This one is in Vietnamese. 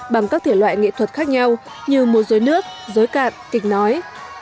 bằng các thể loại nghệ thuật khác nhau như mùa rối nước rối cạn kịch nói